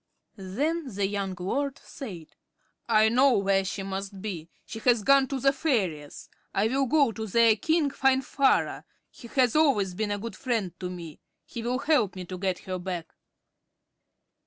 Then the young lord said: "I know where she must be. She has gone to the fairies. I will go to their king, Finvarra. He has always been a good friend to me. He will help me to get her back."